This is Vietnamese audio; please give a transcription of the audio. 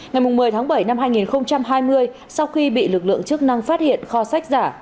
ngày một mươi tháng bảy năm hai nghìn hai mươi sau khi bị lực lượng chức năng phát hiện kho sách giả